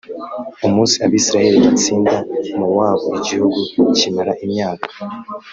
umunsi abisirayeli batsinda mowabu igihugu kimara imyaka